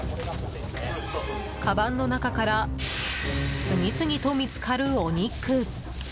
かばんの中から次々と見つかるお肉。